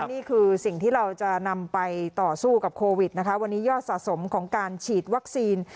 นี่คือสิ่งที่เราจะนำไปต่อสู้กับโควิดนะคะวันนี้ยอดสะสมของการฉีดวัคซีน